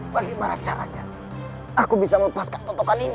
bagaimana caranya aku bisa melepaskan tuntutan ini